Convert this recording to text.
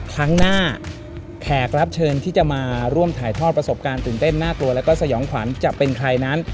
ครั้งหน้าแขกรับเชิญที่จะมาร่วมถ่ายทอดประสบการณ์ตื่นเต้นน่ากลัวแล้วก็สยองขวัญจะเป็นใครนั้น